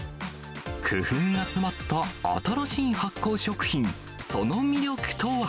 工夫が詰まった新しい発酵食品、その魅力とは。